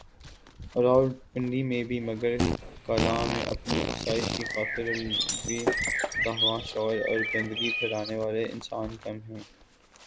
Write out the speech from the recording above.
اور راولپنڈی میں بھی مگر کلاں میں اپنی آسائش کی خاطر آلودگی دھواں شور اور گندگی پھیلانے والے انسان کم ہیں